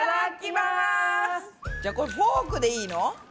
じゃこれフォークでいいの？